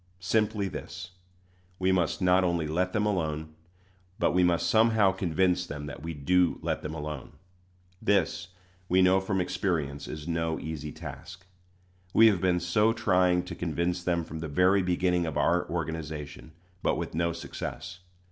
Simply this: we must not only let them alone, but we must somehow convince them that we do let them alone. This, we know by experience, is no easy task. We have been so trying to convince them from the very beginning of our organization, but with no success.